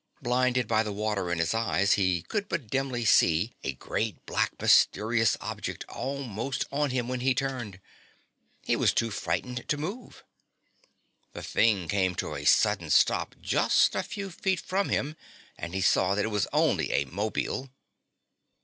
Blinded by the water in his eyes, he could but dimly see a great black mysterious object almost on him when he turned. He was too frightened to move. The thing came to a sudden stop just a few feet from him and he saw that it was only a 'mobile.